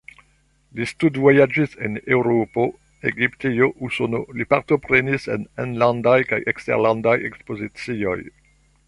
Li studvojaĝis en Eŭropo, Egiptio, Usono, li partoprenis en enlandaj kaj eksterlandaj ekspozicioj.